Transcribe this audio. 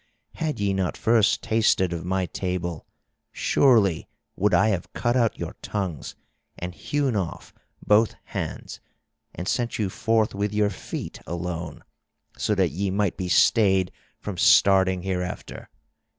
Had ye not first tasted of my table, surely would I have cut out your tongues and hewn off both hands and sent you forth with your feet alone, so that ye might be stayed from starting hereafter.